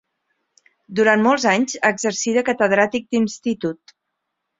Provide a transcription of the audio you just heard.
Durant molts anys exercí de catedràtic d'institut.